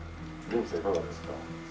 いかがですか？